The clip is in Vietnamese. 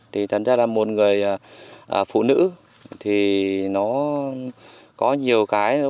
thì thật ra là một người phụ nữ thì nó có nhiều cái